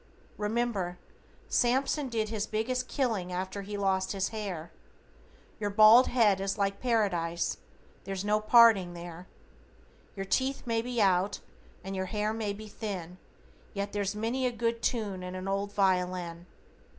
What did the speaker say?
Remember, Samson did his biggest killing after he lost his hair. Your bald head is like Paradise, there's no parting there. Your teeth may be out, and your hair may be thin, yet there's many a good tune in an old violin.